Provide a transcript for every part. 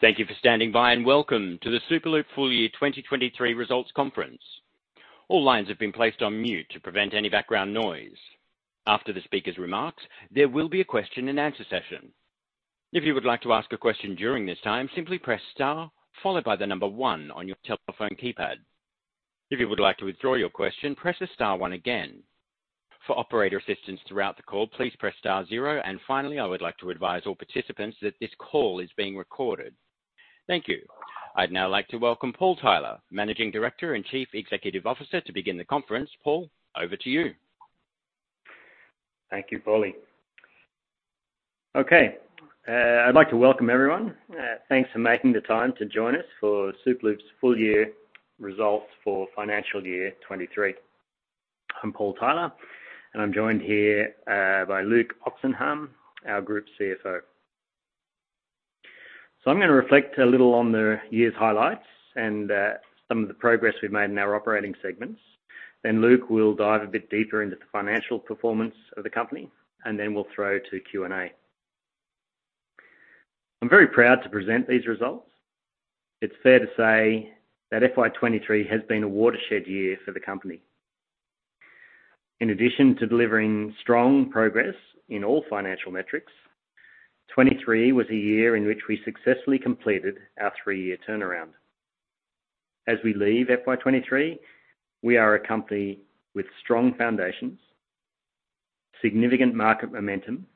Thank you for standing by, and welcome to the Superloop Full Year 2023 Results Conference. All lines have been placed on mute to prevent any background noise. After the speaker's remarks, there will be a question and answer session. If you would like to ask a question during this time, simply press Star followed by the number One on your telephone keypad. If you would like to withdraw your question, press the Star One again. For operator assistance throughout the call, please press Star Zero. And finally, I would like to advise all participants that this call is being recorded. Thank you. I'd now like to welcome Paul Tyler, Managing Director and Chief Executive Officer, to begin the conference. Paul, over to you. Thank you, Paulie. Okay, I'd like to welcome everyone. Thanks for making the time to join us for Superloop's full year results for financial year 2023. I'm Paul Tyler, and I'm joined here by Luke Oxenham, our Group CFO. So I'm going to reflect a little on the year's highlights and some of the progress we've made in our operating segments. Then Luke will dive a bit deeper into the financial performance of the company, and then we'll throw to Q&A. I'm very proud to present these results. It's fair to say that FY 2023 has been a watershed year for the company. In addition to delivering strong progress in all financial metrics, 2023 was a year in which we successfully completed our three-year turnaround. As we leave FY 2023, we are a company with strong foundations, significant market momentum,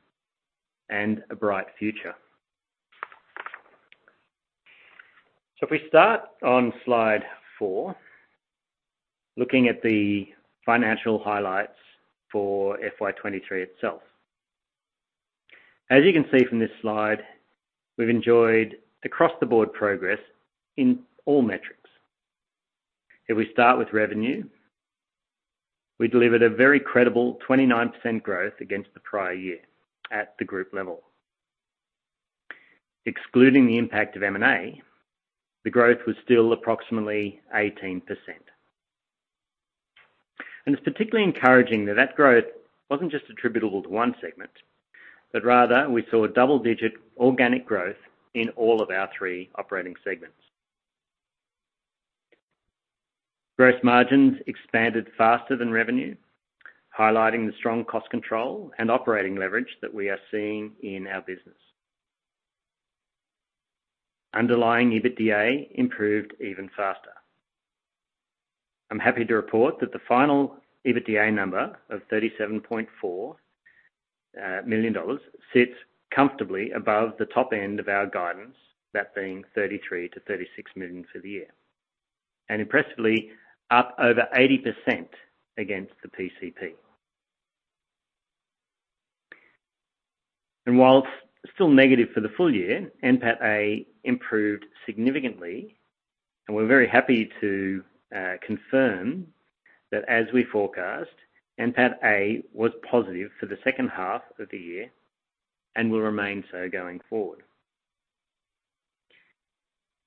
and a bright future. If we start on slide four, looking at the financial highlights for FY 2023 itself. As you can see from this slide, we've enjoyed across-the-board progress in all metrics. If we start with revenue, we delivered a very credible 29% growth against the prior year at the group level. Excluding the impact of M&A, the growth was still approximately 18%. It's particularly encouraging that that growth wasn't just attributable to one segment, but rather we saw a double-digit organic growth in all of our three operating segments. Gross margins expanded faster than revenue, highlighting the strong cost control and operating leverage that we are seeing in our business. Underlying EBITDA improved even faster. I'm happy to report that the final EBITDA number of 37.4 million dollars sits comfortably above the top end of our guidance, that being 33 million-36 million for the year, and impressively up over 80% against the PCP. While it's still negative for the full year, NPATA improved significantly, and we're very happy to confirm that as we forecast, NPATA was positive for the second half of the year and will remain so going forward.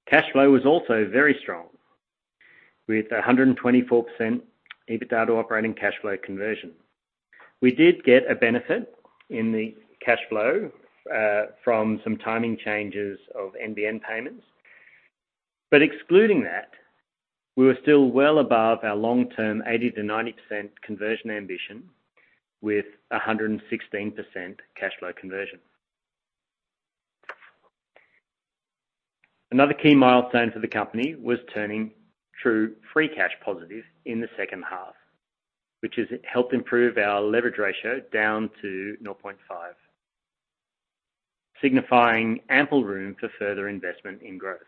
Cash flow was also very strong, with a 124% EBITDA to operating cash flow conversion. We did get a benefit in the cash flow from some timing changes of NBN payments. But excluding that, we were still well above our long-term 80%-90% conversion ambition with a 116% cash flow conversion. Another key milestone for the company was turning true free cash positive in the second half, which has helped improve our leverage ratio down to 0.5, signifying ample room for further investment in growth.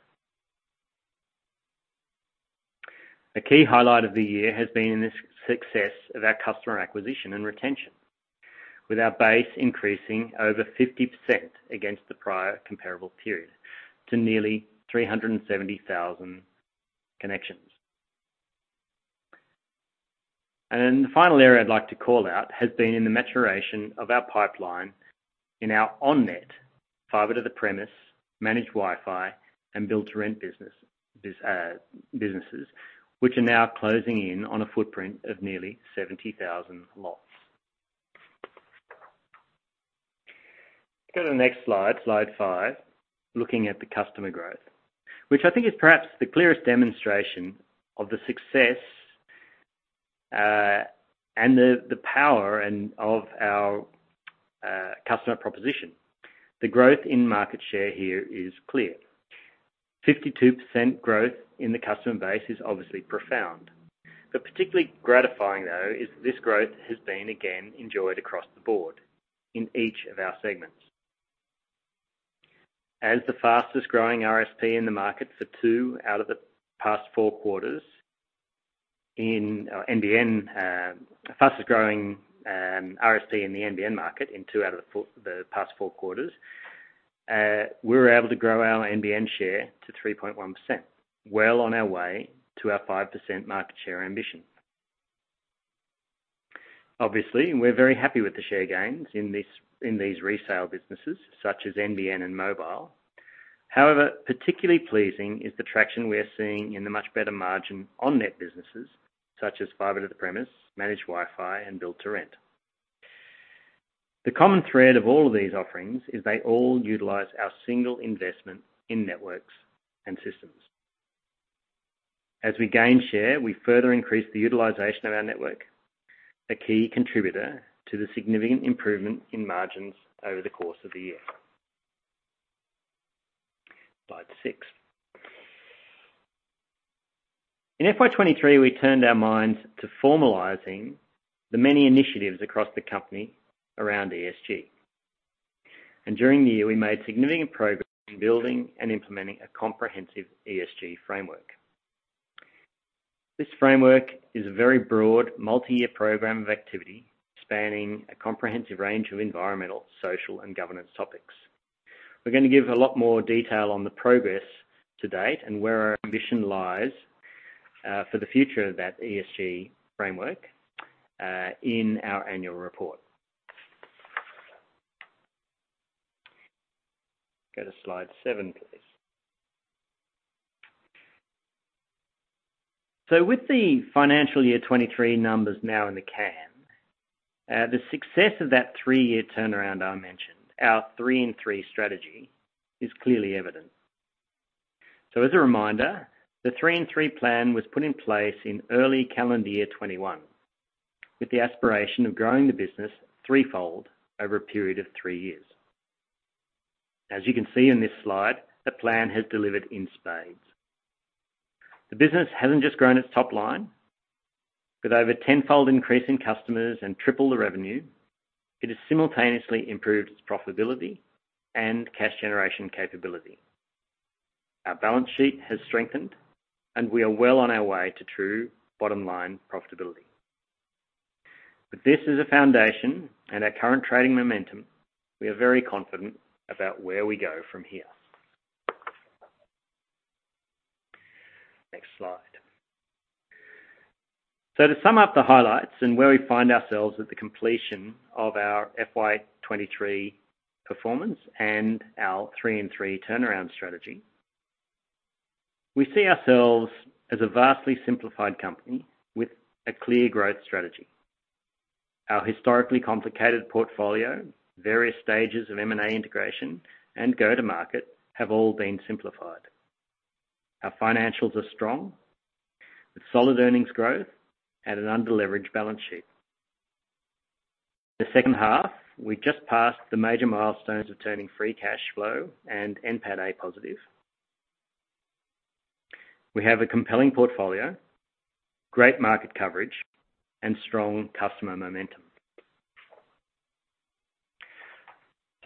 A key highlight of the year has been in the success of our customer acquisition and retention, with our base increasing over 50% against the prior comparable period to nearly 370,000 connections. And then the final area I'd like to call out has been in the maturation of our pipeline in our On-net, fibre to the premises, managed Wi-Fi, and Build to Rent businesses, which are now closing in on a footprint of nearly 70,000 lots. Go to the next slide, slide 5, looking at the customer growth, which I think is perhaps the clearest demonstration of the success, and the power of our customer proposition. The growth in market share here is clear. 52% growth in the customer base is obviously profound. But particularly gratifying, though, is this growth has been again enjoyed across the board in each of our segments. As the fastest growing RSP in the market for two out of the past four quarters in NBN, fastest growing RSP in the NBN market in two out of the past four quarters, we were able to grow our NBN share to 3.1%, well on our way to our 5% market share ambition. Obviously, we're very happy with the share gains in this in these resale businesses such as NBN and mobile. However, particularly pleasing is the traction we are seeing in the much better margin on-net businesses such as fibre to the premise, managed Wi-Fi, and Build to Rent. The common thread of all of these offerings is they all utilize our single investment in networks and systems. As we gain share, we further increase the utilization of our network, a key contributor to the significant improvement in margins over the course of the year. Slide six. In FY23, we turned our minds to formalizing the many initiatives across the company around ESG. During the year, we made significant progress in building and implementing a comprehensive ESG framework. This framework is a very broad, multi-year program of activity, spanning a comprehensive range of environmental, social, and governance topics. We're going to give a lot more detail on the progress to date and where our ambition lies, for the future of that ESG framework, in our annual report. Go to slide seven, please. So with the financial year 2023 numbers now in the can, the success of that three-year turnaround I mentioned, our 3-in-3 strategy, is clearly evident. So as a reminder, the 3-in-3 plan was put in place in early calendar year 2021, with the aspiration of growing the business threefold over a period of three years. As you can see in this slide, the plan has delivered in spades. The business hasn't just grown its top line, with over 10-fold increase in customers and triple the revenue, it has simultaneously improved its profitability and cash generation capability. Our balance sheet has strengthened, and we are well on our way to true bottom-line profitability. But this is a foundation and our current trading momentum, we are very confident about where we go from here. Next slide. So to sum up the highlights and where we find ourselves with the completion of our FY 2023 performance and our 3-in-3 turnaround strategy, we see ourselves as a vastly simplified company with a clear growth strategy. Our historically complicated portfolio, various stages of M&A integration, and go-to-market, have all been simplified. Our financials are strong, with solid earnings growth and an underleveraged balance sheet. The second half, we just passed the major milestones of turning free cash flow and NPATA positive. We have a compelling portfolio, great market coverage, and strong customer momentum.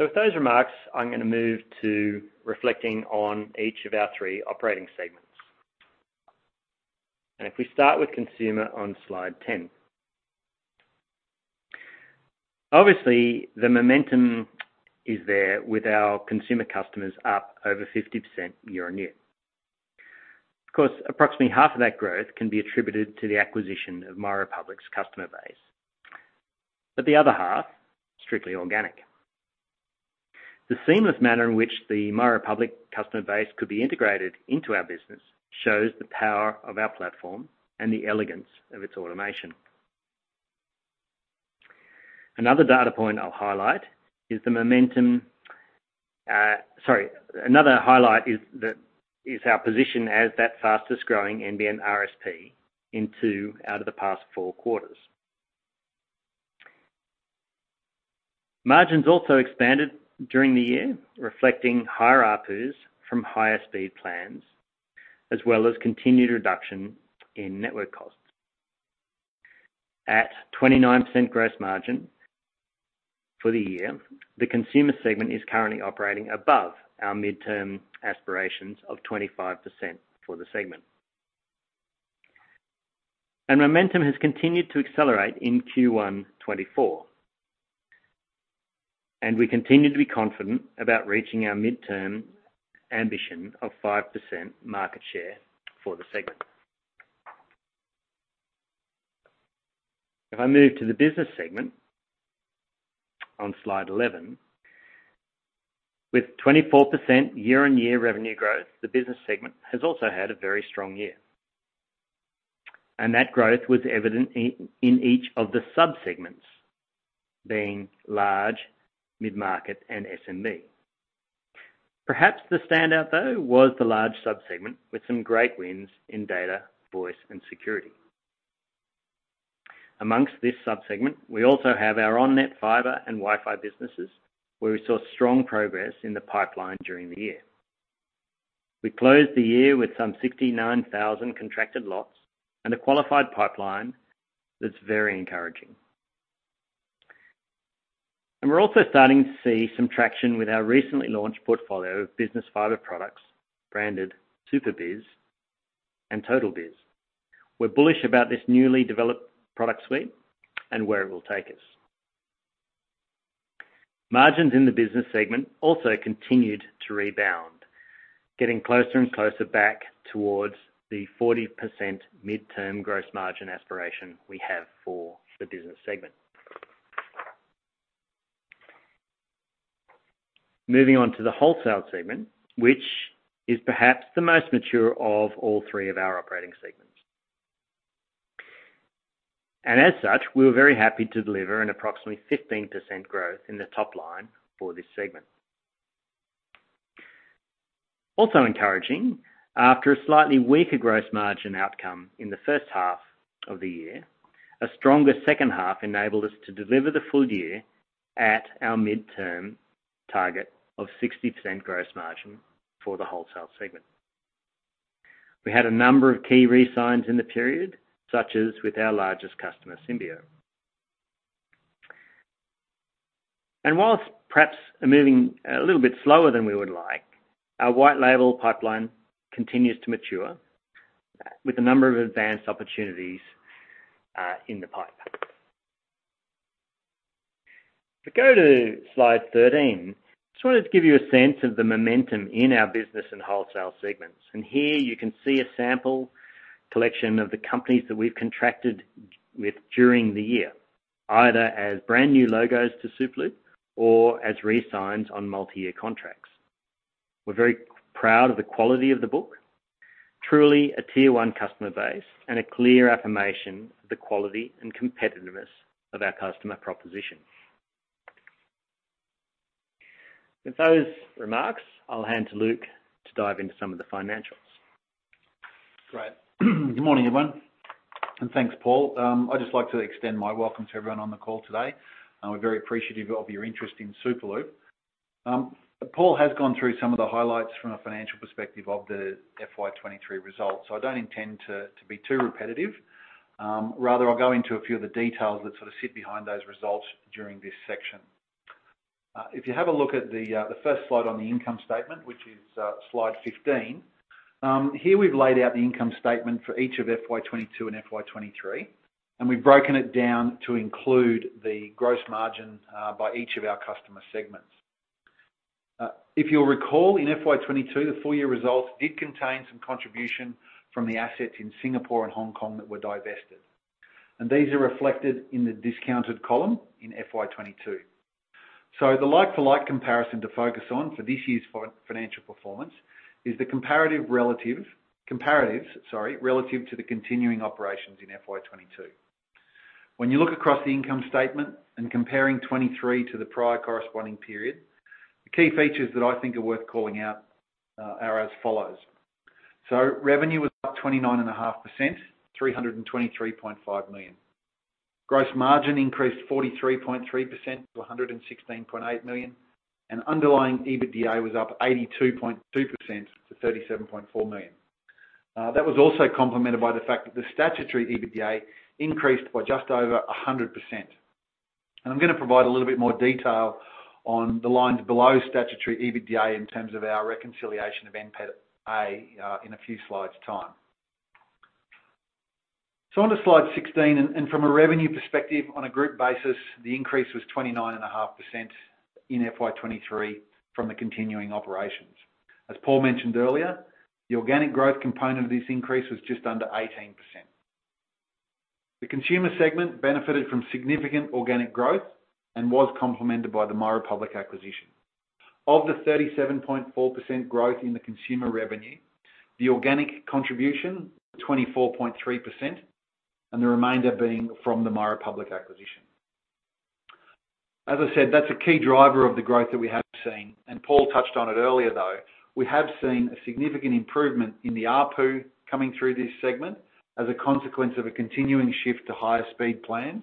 So with those remarks, I'm going to move to reflecting on each of our 3 operating segments. And if we start with consumer on Slide 10. Obviously, the momentum is there with our consumer customers up over 50% year-on-year. Of course, approximately half of that growth can be attributed to the acquisition of MyRepublic's customer base, but the other half, strictly organic. The seamless manner in which the MyRepublic customer base could be integrated into our business shows the power of our platform and the elegance of its automation. Another data point I'll highlight is our position as the fastest-growing NBN RSP in two out of the past four quarters. Margins also expanded during the year, reflecting higher ARPU from higher speed plans, as well as continued reduction in network costs. At 29% gross margin for the year, the consumer segment is currently operating above our midterm aspirations of 25% for the segment. And momentum has continued to accelerate in Q1 2024, and we continue to be confident about reaching our mid-term ambition of 5% market share for the segment. If I move to the business segment on Slide 11. With 24% year-on-year revenue growth, the business segment has also had a very strong year. And that growth was evident in each of the sub-segments, being large, mid-market, and SMB. Perhaps the standout, though, was the large sub-segment, with some great wins in data, voice, and security. Amongst this sub-segment, we also have our On-net fibre and Wi-Fi businesses, where we saw strong progress in the pipeline during the year. We closed the year with some 69,000 contracted lots and a qualified pipeline that's very encouraging. And we're also starting to see some traction with our recently launched portfolio of business fibre products, branded SuperBiz and TotalBiz. We're bullish about this newly developed product suite and where it will take us. Margins in the business segment also continued to rebound, getting closer and closer back towards the 40% midterm gross margin aspiration we have for the business segment. Moving on to the wholesale segment, which is perhaps the most mature of all three of our operating segments. And as such, we were very happy to deliver an approximately 15% growth in the top line for this segment. Also encouraging, after a slightly weaker gross margin outcome in the first half of the year, a stronger second half enabled us to deliver the full year at our midterm target of 60% gross margin for the wholesale segment. We had a number of key re-signs in the period, such as with our largest customer, Symbio. While perhaps moving a little bit slower than we would like, our white label pipeline continues to mature, with a number of advanced opportunities in the pipe. If you go to Slide 13, I just wanted to give you a sense of the momentum in our business and wholesale segments. Here you can see a sample collection of the companies that we've contracted with during the year, either as brand new logos to Superloop or as re-signs on multi-year contracts. We're very proud of the quality of the book, truly a tier one customer base, and a clear affirmation of the quality and competitiveness of our customer proposition. With those remarks, I'll hand to Luke to dive into some of the financials. Great. Good morning, everyone, and thanks, Paul. I'd just like to extend my welcome to everyone on the call today, and we're very appreciative of your interest in Superloop. Paul has gone through some of the highlights from a financial perspective of the FY 2023 results, so I don't intend to be too repetitive. Rather, I'll go into a few of the details that sort of sit behind those results during this section. If you have a look at the first slide on the income statement, which is slide 15, here we've laid out the income statement for each of FY 2022 and FY 2023, and we've broken it down to include the gross margin by each of our customer segments. If you'll recall, in FY 2022, the full year results did contain some contribution from the assets in Singapore and Hong Kong that were divested, and these are reflected in the discontinued column in FY 2022. So the like-for-like comparison to focus on for this year's financial performance is the comparatives relative to the continuing operations in FY 2022. When you look across the income statement and comparing 2023 to the prior corresponding period, the key features that I think are worth calling out are as follows: So revenue was up 29.5%, 323.5 million. Gross margin increased 43.3% to 116.8 million, and underlying EBITDA was up 82.2% to 37.4 million. That was also complemented by the fact that the statutory EBITDA increased by just over 100%. And I'm going to provide a little bit more detail on the lines below statutory EBITDA in terms of our reconciliation of NPATA in a few slides' time. So onto Slide 16, and from a revenue perspective, on a group basis, the increase was 29.5% in FY 2023 from the continuing operations. As Paul mentioned earlier, the organic growth component of this increase was just under 18%. The consumer segment benefited from significant organic growth and was complemented by the MyRepublic acquisition. Of the 37.4% growth in the consumer revenue, the organic contribution, 24.3%, and the remainder being from the MyRepublic acquisition. As I said, that's a key driver of the growth that we have seen, and Paul touched on it earlier, though, we have seen a significant improvement in the ARPU coming through this segment as a consequence of a continuing shift to higher speed plans.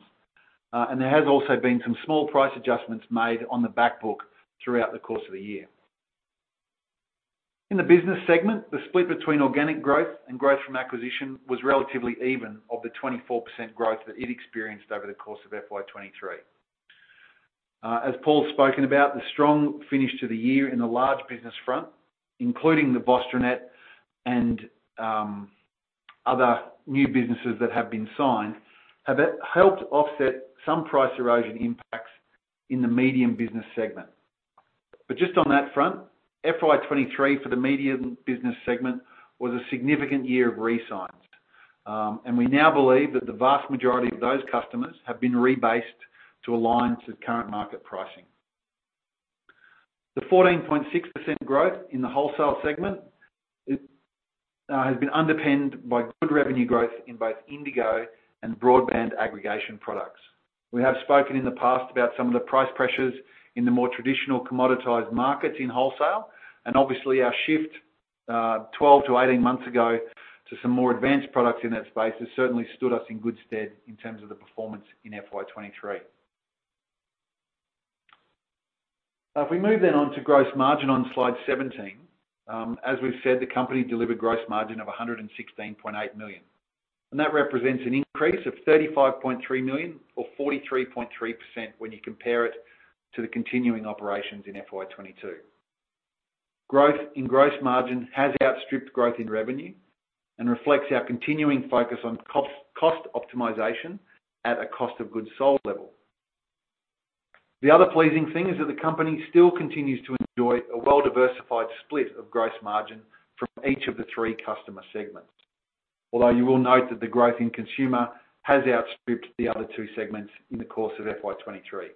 And there has also been some small price adjustments made on the back book throughout the course of the year. In the business segment, the split between organic growth and growth from acquisition was relatively even of the 24% growth that it experienced over the course of FY 2023. As Paul spoken about, the strong finish to the year in the large business front, including the VostroNet and other new businesses that have been signed, have helped offset some price erosion impacts in the medium business segment. But just on that front, FY 2023 for the medium business segment was a significant year of re-signs. And we now believe that the vast majority of those customers have been rebased to align to current market pricing. The 14.6% growth in the wholesale segment, it, has been underpinned by good revenue growth in both Indigo and broadband aggregation products. We have spoken in the past about some of the price pressures in the more traditional commoditized markets in wholesale, and obviously, our shift, twelve to eighteen months ago to some more advanced products in that space has certainly stood us in good stead in terms of the performance in FY 2023. If we move then on to gross margin on Slide 17, as we've said, the company delivered gross margin of 116.8 million. That represents an increase of 35.3 million or 43.3% when you compare it to the continuing operations in FY 2022. Growth in gross margin has outstripped growth in revenue and reflects our continuing focus on cost, cost optimization at a cost of goods sold level. The other pleasing thing is that the company still continues to enjoy a well-diversified split of gross margin from each of the three customer segments. Although you will note that the growth in consumer has outstripped the other two segments in the course of FY 2023.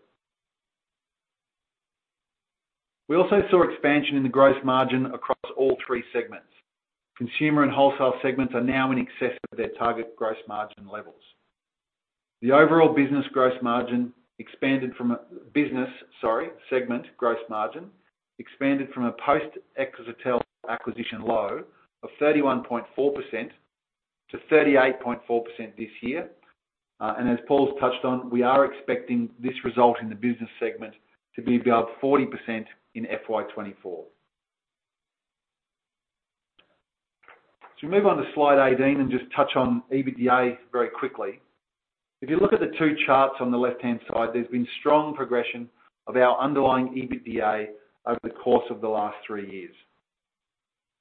We also saw expansion in the gross margin across all three segments. Consumer and wholesale segments are now in excess of their target gross margin levels. The overall business gross margin expanded from a business, sorry, segment gross margin, expanded from a post Exetel acquisition low of 31.4% to 38.4% this year. And as Paul's touched on, we are expecting this result in the business segment to be above 40% in FY 2024. So we move on to slide 18, and just touch on EBITDA very quickly. If you look at the two charts on the left-hand side, there's been strong progression of our underlying EBITDA over the course of the last three years.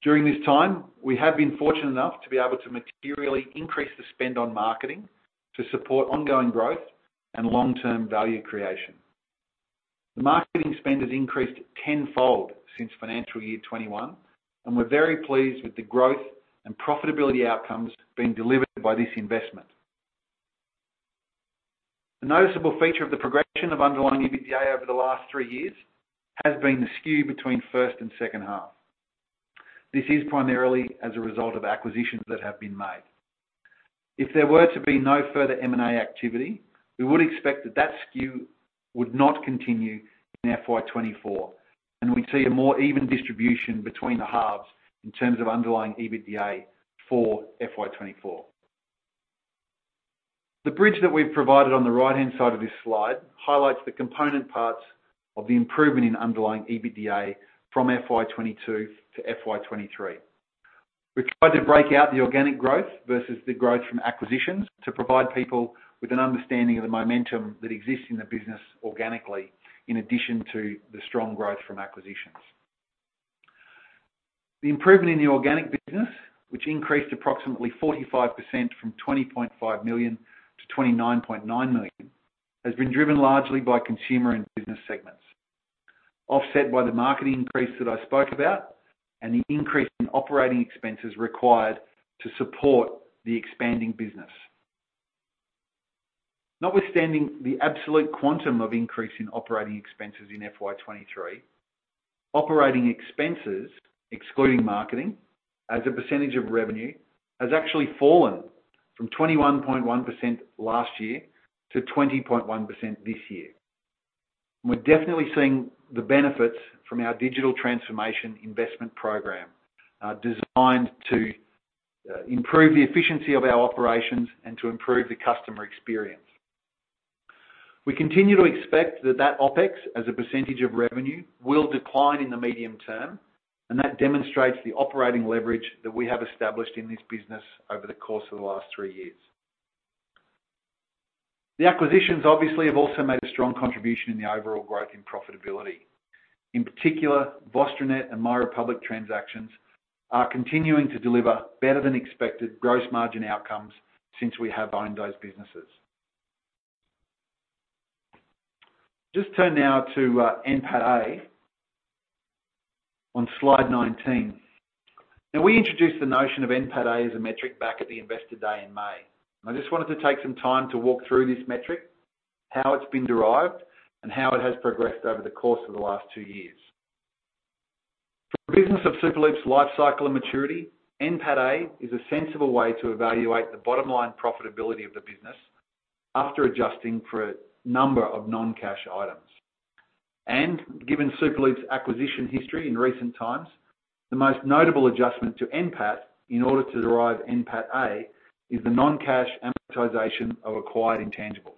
During this time, we have been fortunate enough to be able to materially increase the spend on marketing, to support ongoing growth and long-term value creation. The marketing spend has increased tenfold since financial year 2021, and we're very pleased with the growth and profitability outcomes being delivered by this investment. A noticeable feature of the progression of underlying EBITDA over the last three years has been the skew between first and second half. This is primarily as a result of acquisitions that have been made. If there were to be no further M&A activity, we would expect that skew would not continue in FY 2024, and we'd see a more even distribution between the halves in terms of underlying EBITDA for FY 2024. The bridge that we've provided on the right-hand side of this slide highlights the component parts of the improvement in underlying EBITDA from FY 2022 to FY 2023. We tried to break out the organic growth versus the growth from acquisitions to provide people with an understanding of the momentum that exists in the business organically, in addition to the strong growth from acquisitions. The improvement in the organic business, which increased approximately 45% from 20.5 million to 29.9 million, has been driven largely by consumer and business segments. Offset by the marketing increase that I spoke about, and the increase in operating expenses required to support the expanding business. Notwithstanding the absolute quantum of increase in operating expenses in FY 2023, operating expenses, excluding marketing, as a percentage of revenue, has actually fallen from 21.1% last year to 20.1% this year. We're definitely seeing the benefits from our digital transformation investment program, designed to improve the efficiency of our operations and to improve the customer experience. We continue to expect that OpEx, as a percentage of revenue, will decline in the medium term, and that demonstrates the operating leverage that we have established in this business over the course of the last three years. The acquisitions obviously have also made a strong contribution in the overall growth and profitability. In particular, VostroNet and MyRepublic transactions are continuing to deliver better than expected gross margin outcomes since we have owned those businesses. Just turn now to NPAT-A on slide 19. Now, we introduced the notion of NPAT-A as a metric back at the Investor Day in May. And I just wanted to take some time to walk through this metric, how it's been derived, and how it has progressed over the course of the last two years. For reasons of Superloop's life cycle and maturity, NPAT-A is a sensible way to evaluate the bottom line profitability of the business, after adjusting for a number of non-cash items. Given Superloop's acquisition history in recent times, the most notable adjustment to NPAT, in order to derive NPAT-A, is the non-cash amortization of acquired intangibles.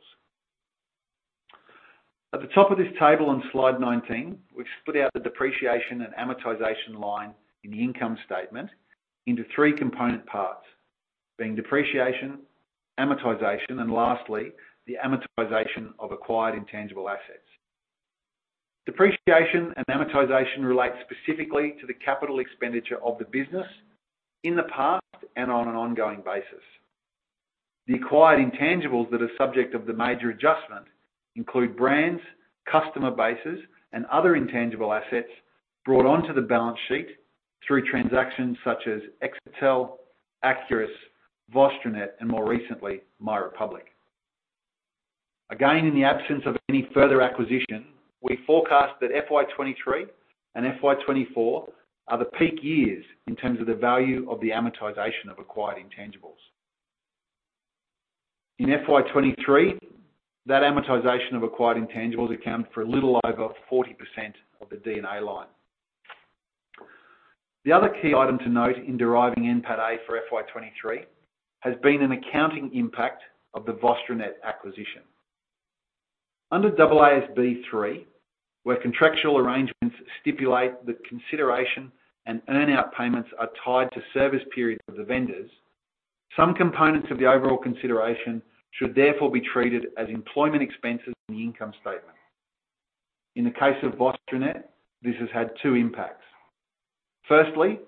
At the top of this table on slide 19, we've split out the depreciation and amortization line in the income statement into three component parts, being depreciation, amortization, and lastly, the amortization of acquired intangible assets. Depreciation and amortization relate specifically to the capital expenditure of the business in the past and on an ongoing basis. The acquired intangibles that are subject of the major adjustment include brands, customer bases, and other intangible assets brought onto the balance sheet through transactions such as Exetel, Acurus, VostroNet and more recently, MyRepublic. Again, in the absence of any further acquisition, we forecast that FY 2023 and FY 2024 are the peak years in terms of the value of the amortization of acquired intangibles. In FY 2023, that amortization of acquired intangibles accounted for a little over 40% of the D&A line. The other key item to note in deriving NPAT-A for FY 2023 has been an accounting impact of the VostroNet acquisition. Under AASB 3, where contractual arrangements stipulate that consideration and earn-out payments are tied to service periods of the vendors, some components of the overall consideration should therefore be treated as employment expenses in the income statement. In the case of VostroNet, this has had two impacts. Firstly,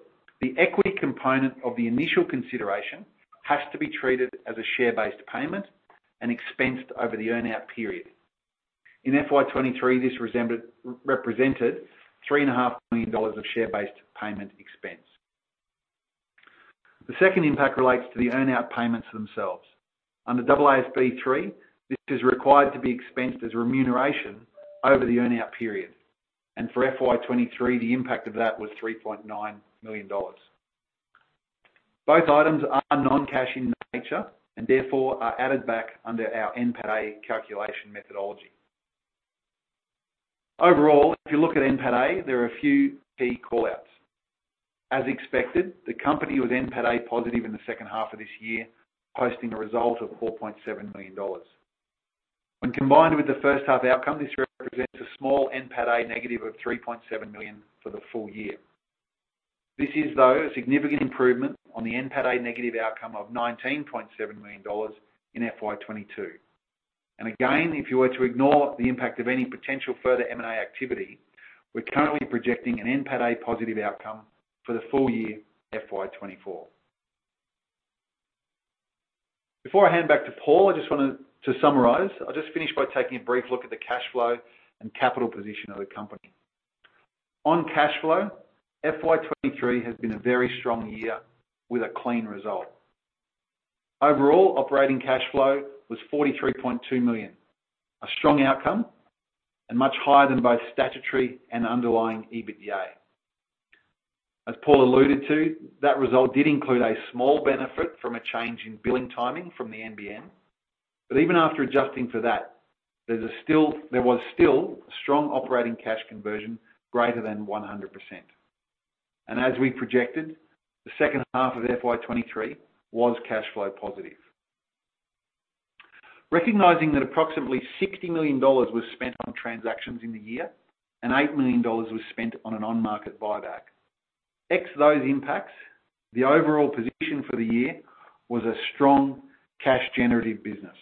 the equity component of the initial consideration has to be treated as a share-based payment and expensed over the earn-out period... In FY 2023, this resembled, represented 3.5 million dollars of share-based payment expense. The second impact relates to the earn-out payments themselves. Under AASB 3, this is required to be expensed as remuneration over the earn-out period, and for FY 2023, the impact of that was 3.9 million dollars. Both items are non-cash in nature, and therefore are added back under our NPATA calculation methodology. Overall, if you look at NPATA, there are a few key call-outs. As expected, the company was NPATA positive in the second half of this year, posting a result of 4.7 million dollars. When combined with the first half outcome, this represents a small NPATA negative of 3.7 million for the full year. This is, though, a significant improvement on the NPATA negative outcome of 19.7 million dollars in FY 2022. Again, if you were to ignore the impact of any potential further M&A activity, we're currently projecting an NPATA positive outcome for the full year, FY 2024. Before I hand back to Paul, I just wanted to summarize. I'll just finish by taking a brief look at the cash flow and capital position of the company. On cash flow, FY 2023 has been a very strong year with a clean result. Overall, operating cash flow was 43.2 million, a strong outcome and much higher than both statutory and underlying EBITDA. As Paul alluded to, that result did include a small benefit from a change in billing timing from the NBN. But even after adjusting to that, there was still a strong operating cash conversion greater than 100%. As we projected, the second half of FY 2023 was cash flow positive. Recognizing that approximately 60 million dollars was spent on transactions in the year, and 8 million dollars was spent on an on-market buyback, ex those impacts, the overall position for the year was a strong cash generative business.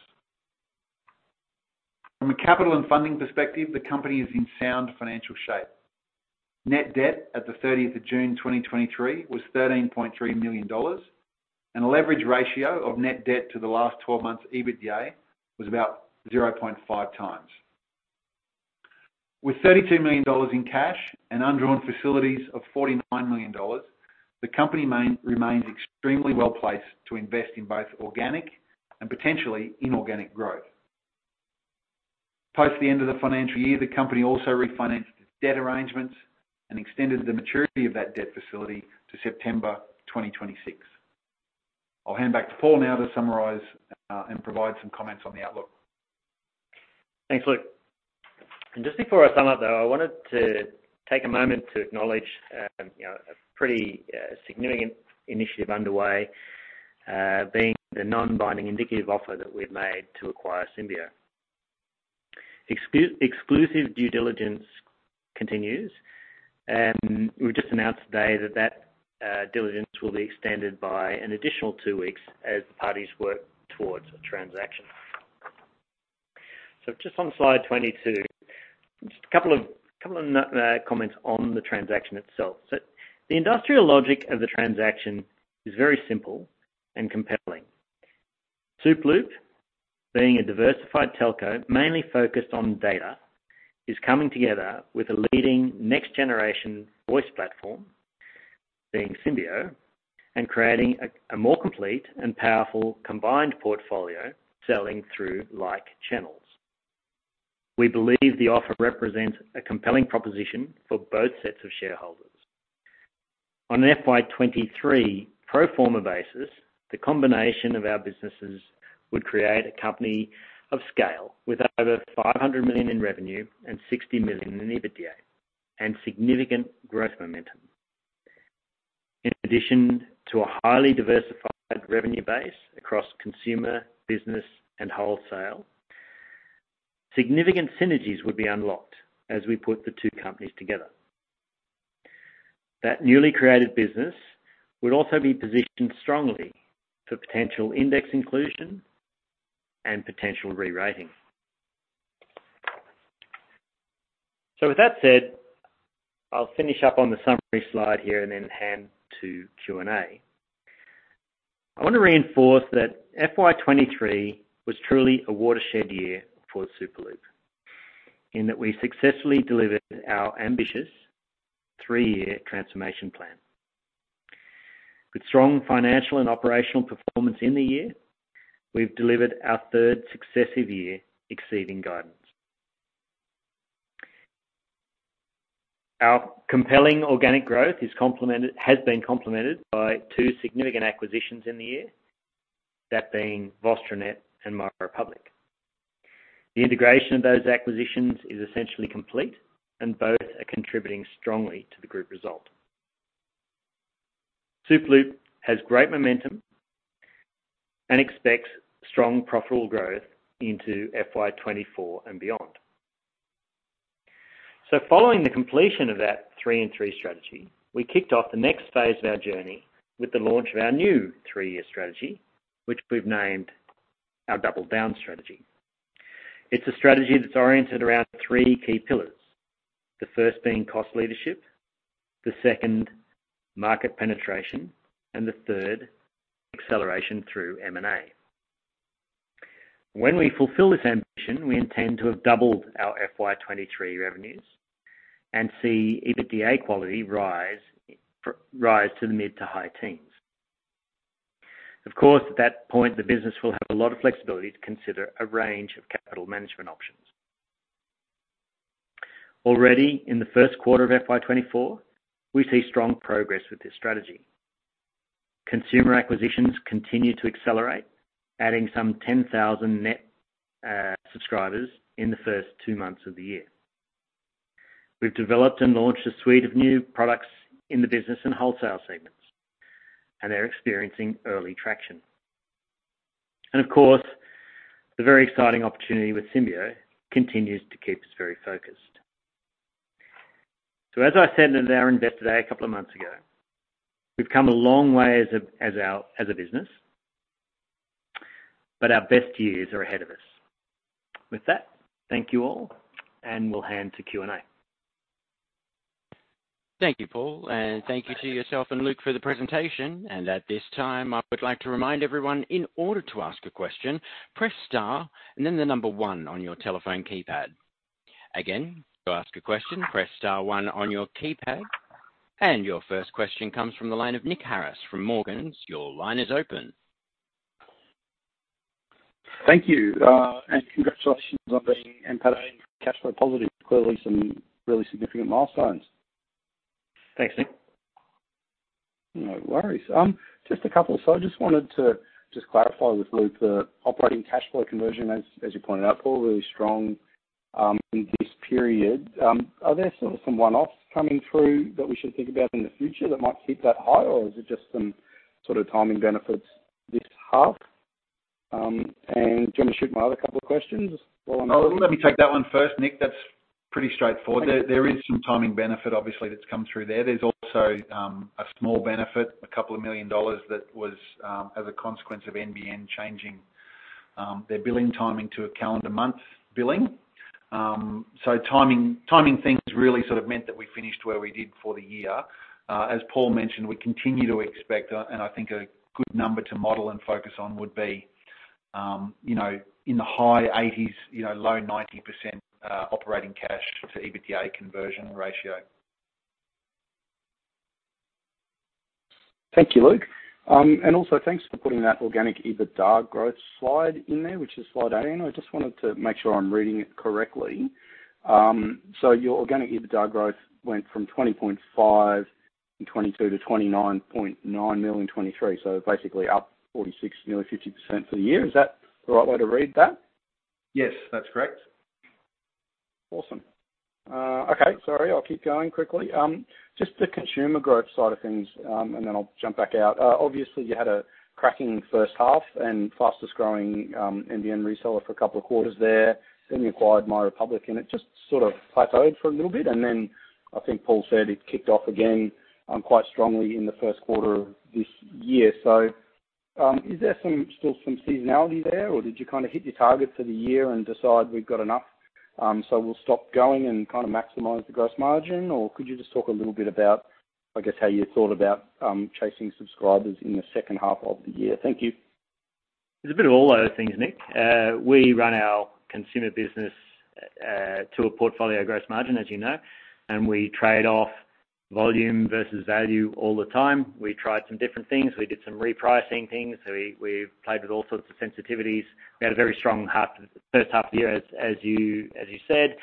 From a capital and funding perspective, the company is in sound financial shape. Net debt at the thirtieth of June 2023 was 13.3 million dollars, and a leverage ratio of net debt to the last 12 months EBITDA was about 0.5x. With 32 million dollars in cash and undrawn facilities of 49 million dollars, the company remains extremely well-placed to invest in both organic and potentially inorganic growth. Post the end of the financial year, the company also refinanced its debt arrangements and extended the maturity of that debt facility to September 2026. I'll hand back to Paul now to summarize, and provide some comments on the outlook. Thanks, Luke. And just before I sum up, though, I wanted to take a moment to acknowledge, you know, a pretty significant initiative underway, being the non-binding indicative offer that we've made to acquire Symbio. Exclusive due diligence continues, and we've just announced today that that diligence will be extended by an additional two weeks as parties work towards a transaction. So just on slide 22, just a couple of comments on the transaction itself. So the industrial logic of the transaction is very simple and compelling. Superloop, being a diversified telco, mainly focused on data, is coming together with a leading next-generation voice platform, being Symbio, and creating a more complete and powerful combined portfolio selling through like channels. We believe the offer represents a compelling proposition for both sets of shareholders. On an FY 2023 pro forma basis, the combination of our businesses would create a company of scale with over 500 million in revenue and 60 million in EBITDA, and significant growth momentum. In addition to a highly diversified revenue base across consumer, business, and wholesale, significant synergies would be unlocked as we put the two companies together. That newly created business would also be positioned strongly for potential index inclusion and potential rerating. So with that said, I'll finish up on the summary slide here and then hand to Q&A. I want to reinforce that FY 2023 was truly a watershed year for Superloop, in that we successfully delivered our ambitious three-year transformation plan. With strong financial and operational performance in the year, we've delivered our third successive year exceeding guidance. Our compelling organic growth is complemented, has been complemented by two significant acquisitions in the year, that being VostroNet and MyRepublic. The integration of those acquisitions is essentially complete, and both are contributing strongly to the group result. Superloop has great momentum and expects strong profitable growth into FY 2024 and beyond. So following the completion of that three-in-three strategy, we kicked off the next phase of our journey with the launch of our new three-year strategy, which we've named our Double Down strategy. It's a strategy that's oriented around three key pillars: The first being cost leadership, the second, market penetration, and the third, acceleration through M&A. When we fulfill this ambition, we intend to have doubled our FY 2023 revenues and see EBITDA quality rise, rise to the mid to high teens. Of course, at that point, the business will have a lot of flexibility to consider a range of capital management options. Already in the first quarter of FY 2024, we see strong progress with this strategy. Consumer acquisitions continue to accelerate, adding some 10,000 net subscribers in the first two months of the year. We've developed and launched a suite of new products in the business and wholesale segments, and they're experiencing early traction. And of course, the very exciting opportunity with Symbio continues to keep us very focused. So as I said in our Investor Day a couple of months ago, we've come a long way as a business, but our best years are ahead of us. With that, thank you all, and we'll hand to Q&A. Thank you, Paul, and thank you to yourself and Luke for the presentation. At this time, I would like to remind everyone, in order to ask a question, press star and then the number one on your telephone keypad. Again, to ask a question, press star one on your keypad. Your first question comes from the line of Nick Harris from Morgans. Your line is open. Thank you, and congratulations on being EBITDA and cash flow positive. Clearly, some really significant milestones. Thanks, Nick. No worries. Just a couple. So I just wanted to just clarify with Luke, the operating cash flow conversion, as, as you pointed out, Paul, really strong in this period. Are there sort of some one-offs coming through that we should think about in the future that might keep that high? Or is it just some sort of timing benefits this half? And do you want to shoot my other couple of questions while I'm- Oh, let me take that one first, Nick. That's pretty straightforward. Thank you. There is some timing benefit, obviously, that's come through there. There's also a small benefit, 2 million dollars, that was as a consequence of NBN changing their billing timing to a calendar month billing. So timing things really sort of meant that we finished where we did for the year. As Paul mentioned, we continue to expect, and I think a good number to model and focus on would be, you know, in the high 80s, you know, low 90% operating cash to EBITDA conversion ratio. Thank you, Luke. Also thanks for putting that organic EBITDA growth slide in there, which is slide 18. I just wanted to make sure I'm reading it correctly. So your organic EBITDA growth went from 20.5 in 2022 to 29.9 million in 2023, so basically up 46%, nearly 50% for the year. Is that the right way to read that? Yes, that's correct. Awesome. Okay, sorry. I'll keep going quickly. Just the consumer growth side of things, and then I'll jump back out. Obviously, you had a cracking first half and fastest growing NBN reseller for a couple of quarters there, then you acquired MyRepublic, and it just sort of plateaued for a little bit. And then I think Paul said it kicked off again quite strongly in the first quarter of this year. So, is there still some seasonality there, or did you kind of hit your target for the year and decide we've got enough, so we'll stop going and kind of maximize the gross margin? Or could you just talk a little bit about, I guess, how you thought about chasing subscribers in the second half of the year? Thank you. It's a bit of all those things, Nick. We run our consumer business to a portfolio gross margin, as you know, and we trade off volume versus value all the time. We tried some different things. We did some repricing things. So we've played with all sorts of sensitivities. We had a very strong half, first half of the year, as you said.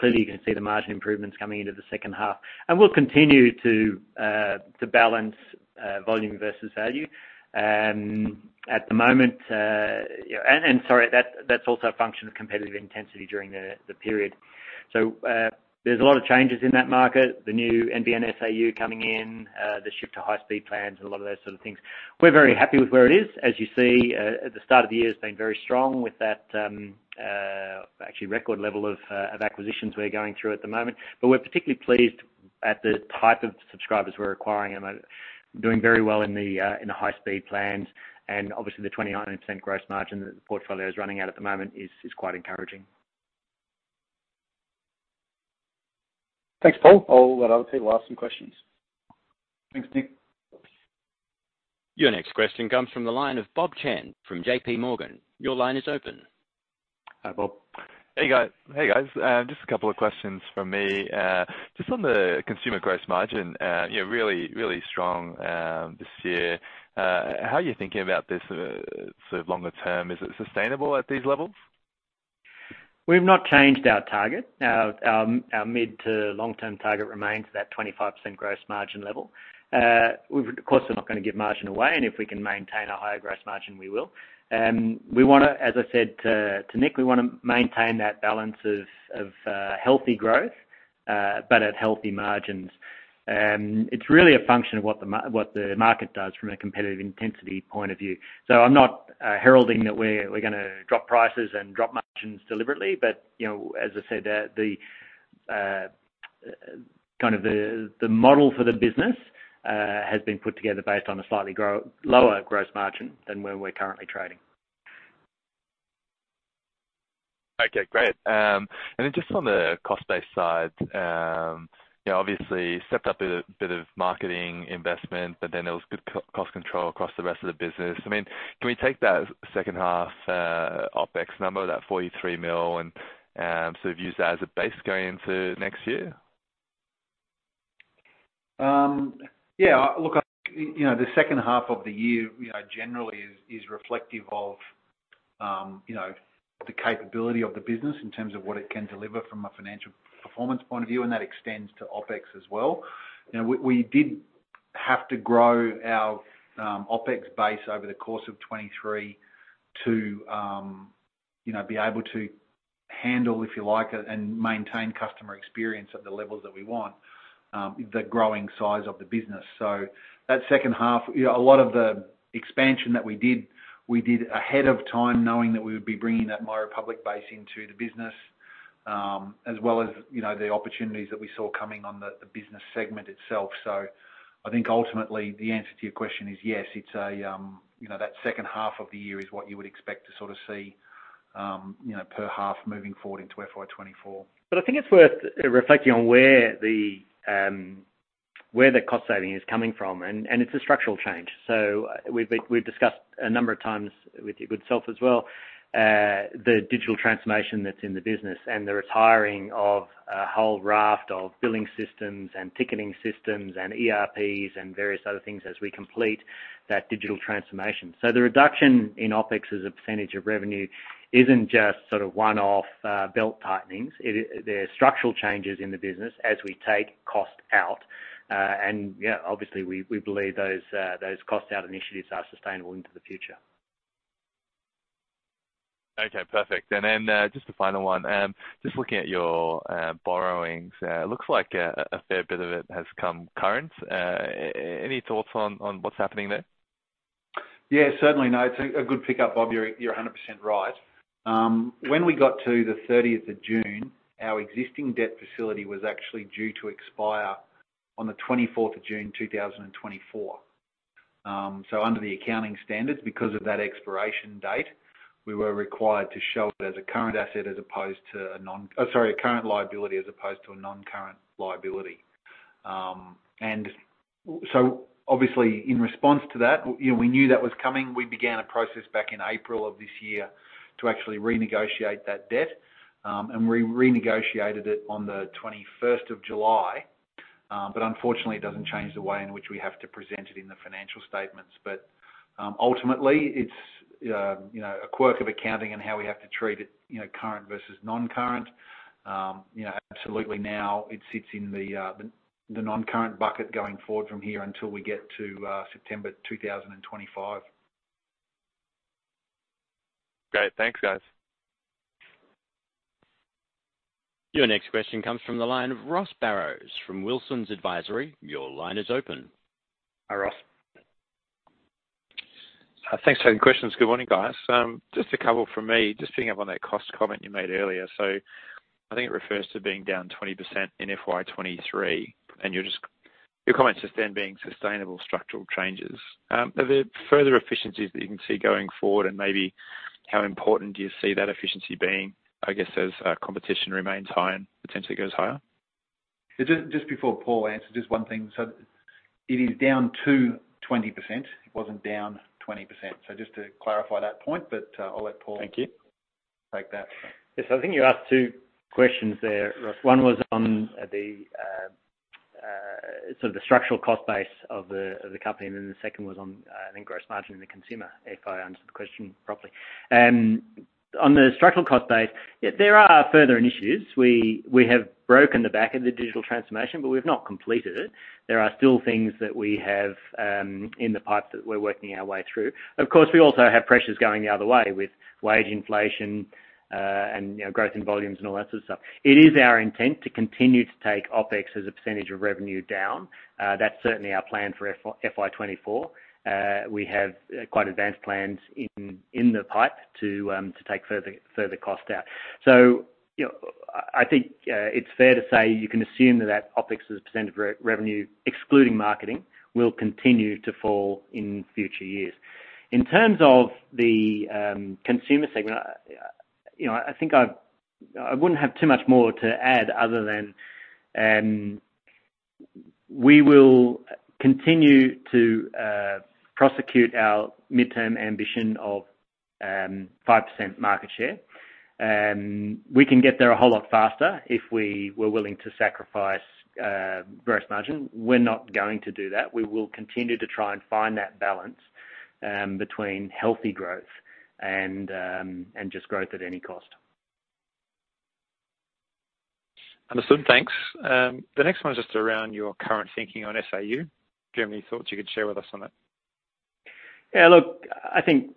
Clearly, you can see the margin improvements coming into the second half. And we'll continue to balance volume versus value. At the moment. And sorry, that's also a function of competitive intensity during the period. So, there's a lot of changes in that market, the new NBN SAU coming in, the shift to high-speed plans and a lot of those sort of things. We're very happy with where it is. As you see, at the start of the year has been very strong with that, actually record level of acquisitions we're going through at the moment. But we're particularly pleased at the type of subscribers we're acquiring, and are doing very well in the high-speed plans. Obviously, the 29% gross margin that the portfolio is running out at the moment is quite encouraging. Thanks, Paul. I'll let other people ask some questions. Thanks, Nick. Your next question comes from the line of Rob Chen, from JP Morgan. Your line is open. Hi, Bob. Hey, guys. Hey, guys, just a couple of questions from me. Just on the consumer gross margin, you know, really, really strong, this year. How are you thinking about this, sort of longer term? Is it sustainable at these levels? We've not changed our target. Our mid to long-term target remains that 25% gross margin level. Of course, we're not going to give margin away, and if we can maintain a higher gross margin, we will. We want to, as I said to Nick, we want to maintain that balance of healthy growth, but at healthy margins. It's really a function of what the market does from a competitive intensity point of view. So I'm not heralding that we're going to drop prices and drop margins deliberately, but, you know, as I said, the kind of the model for the business has been put together based on a slightly lower gross margin than where we're currently trading. Okay, great. And then just on the cost base side, you know, obviously stepped up a bit, bit of marketing investment, but then there was good cost control across the rest of the business. I mean, can we take that second half OpEx number, that 43 million, and sort of use that as a base going into next year? Yeah, look, you know, the second half of the year, you know, generally is reflective of, you know, the capability of the business in terms of what it can deliver from a financial performance point of view, and that extends to OpEx as well. You know, we did have to grow our OpEx base over the course of 2023 to, you know, be able to handle, if you like, it, and maintain customer experience at the levels that we want, the growing size of the business. So that second half, you know, a lot of the expansion that we did, we did ahead of time, knowing that we would be bringing that MyRepublic base into the business, as well as, you know, the opportunities that we saw coming on the business segment itself. I think ultimately, the answer to your question is yes, it's a, you know, that second half of the year is what you would expect to sort of see, you know, per half moving forward into FY 2024. But I think it's worth reflecting on where the cost saving is coming from, and it's a structural change. So we've discussed a number of times with your good self as well, the digital transformation that's in the business, and the retiring of a whole raft of billing systems and ticketing systems and ERPs and various other things as we complete that digital transformation. So the reduction in OpEx as a percentage of revenue isn't just sort of one-off belt-tightening. There are structural changes in the business as we take cost out, and, you know, obviously, we believe those cost-out initiatives are sustainable into the future. Okay, perfect. And then, just a final one. Just looking at your borrowings, it looks like a fair bit of it has come current. Any thoughts on what's happening there? Yeah, certainly. No, it's a good pickup, Rob. You're 100% right. When we got to the 30th of June, our existing debt facility was actually due to expire on the 24th of June, 2024. So under the accounting standards, because of that expiration date, we were required to show it as a current liability as opposed to a non-current liability. So obviously, in response to that, you know, we knew that was coming. We began a process back in April of this year to actually renegotiate that debt, and we renegotiated it on the 21st of July. But unfortunately, it doesn't change the way in which we have to present it in the financial statements. But, ultimately, it's, you know, a quirk of accounting and how we have to treat it, you know, current versus non-current. You know, absolutely now it sits in the non-current bucket going forward from here until we get to September 2025. Great. Thanks, guys. Your next question comes from the line of Ross Barrows from Wilsons Advisory. Your line is open. Hi, Ross. Thanks for taking questions. Good morning, guys. Just a couple from me. Just picking up on that cost comment you made earlier. So I think it refers to being down 20% in FY 2023, and you're just-- your comments just then being sustainable structural changes. Are there further efficiencies that you can see going forward? And maybe how important do you see that efficiency being, I guess, as competition remains high and potentially goes higher? Just, just before Paul answers, just one thing. So it is down to 20%. It wasn't down 20%. So just to clarify that point, but, I'll let Paul- Thank you. Take that. Yes, I think you asked two questions there, Ross. One was on the sort of the structural cost base of the company, and then the second was on, I think, gross margin in the consumer, if I answered the question properly. On the structural cost base, yeah, there are further initiatives. We have broken the back of the digital transformation, but we've not completed it. There are still things that we have in the pipe that we're working our way through. Of course, we also have pressures going the other way with wage inflation and, you know, growth in volumes and all that sort of stuff. It is our intent to continue to take OpEx as a percentage of revenue down. That's certainly our plan for FY 2024. We have quite advanced plans in the pipeline to take further cost out. So, you know, I think it's fair to say you can assume that OpEx as a percentage of revenue, excluding marketing, will continue to fall in future years. In terms of the consumer segment, you know, I think I wouldn't have too much more to add other than we will continue to prosecute our midterm ambition of 5% market share. We can get there a whole lot faster if we were willing to sacrifice gross margin. We're not going to do that. We will continue to try and find that balance between healthy growth and just growth at any cost. Understood. Thanks. The next one is just around your current thinking on SAU. Do you have any thoughts you could share with us on it? Yeah, look, I think,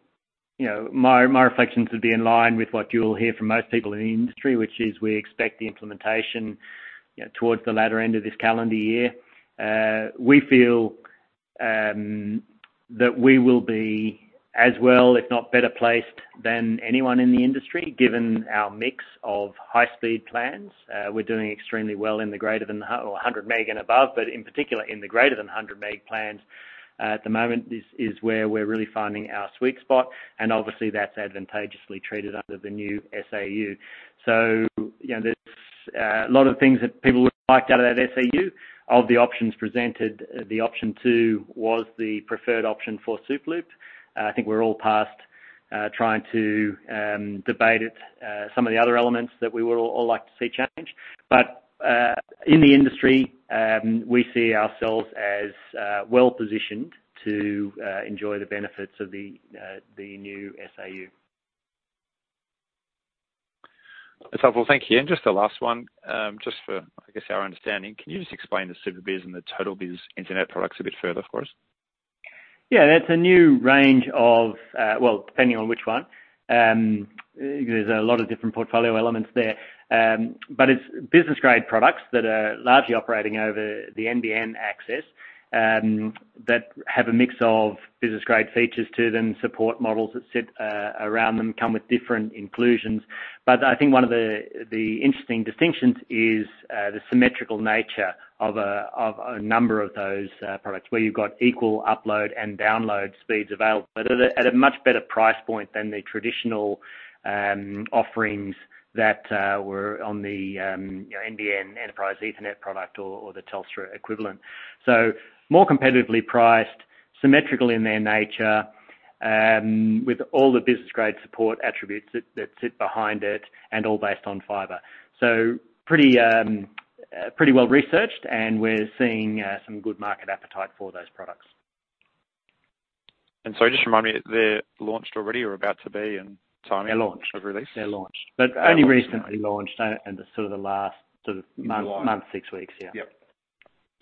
you know, my, my reflections would be in line with what you'll hear from most people in the industry, which is we expect the implementation, you know, towards the latter end of this calendar year. We feel that we will be as well, if not better placed than anyone in the industry, given our mix of high-speed plans. We're doing extremely well in the greater than or 100 meg and above, but in particular in the greater than 100 meg plans. At the moment, this is where we're really finding our sweet spot, and obviously that's advantageously treated under the new SAU. So, you know, there's a lot of things that people would like out of that SAU. Of the options presented, the option 2 was the preferred option for Superloop. I think we're all past trying to debate it, some of the other elements that we would all like to see change. But, in the industry, we see ourselves as well positioned to enjoy the benefits of the new SAU. That's helpful. Thank you. And just the last one, just for, I guess, our understanding, can you just explain the SuperBiz and the TotalBiz Internet products a bit further for us? Yeah, that's a new range of, Well, depending on which one, there's a lot of different portfolio elements there. But it's business-grade products that are largely operating over the NBN access, that have a mix of business-grade features to them, support models that sit around them, come with different inclusions. But I think one of the, the interesting distinctions is, the symmetrical nature of a, of a number of those, products, where you've got equal upload and download speeds available, but at a, at a much better price point than the traditional, offerings that, were on the, you know, NBN Enterprise Ethernet product or, or the Telstra equivalent. So more competitively priced, symmetrical in their nature, with all the business-grade support attributes that, that sit behind it and all based on fiber. So, pretty well researched, and we're seeing some good market appetite for those products. Just remind me, they're launched already or about to be, and timing- They're launched. Of release. They're launched. Uh, okay. Only recently launched in the sort of the last month, six weeks, yeah. Yep.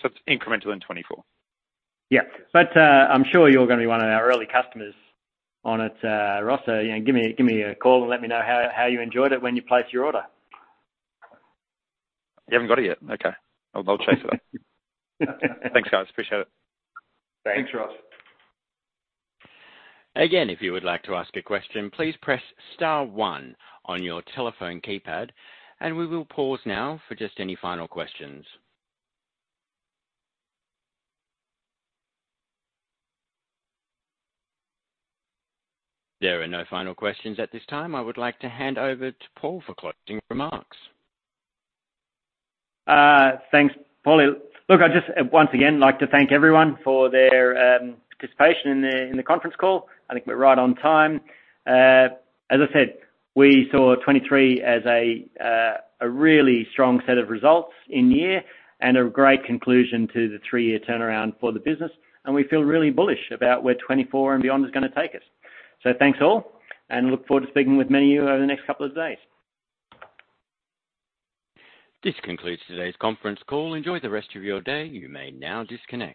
So it's incremental in 2024? Yeah. But, I'm sure you're going to be one of our early customers on it, Ross, so, you know, give me a call and let me know how you enjoyed it when you place your order. You haven't got it yet? Okay. I'll, I'll chase it up. Thanks, guys. Appreciate it. Thanks. Thanks, Ross. Again, if you would like to ask a question, please press Star one on your telephone keypad, and we will pause now for just any final questions. There are no final questions at this time. I would like to hand over to Paul for closing remarks. Thanks, Paul. Look, I'd just once again like to thank everyone for their participation in the conference call. I think we're right on time. As I said, we saw 2023 as a really strong set of results in year and a great conclusion to the three-year turnaround for the business, and we feel really bullish about where 2024 and beyond is going to take us. So thanks, all, and look forward to speaking with many of you over the next couple of days. This concludes today's conference call. Enjoy the rest of your day. You may now disconnect.